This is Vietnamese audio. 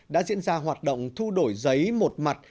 đã diễn ra hoạt động thu đổi giấy một mặt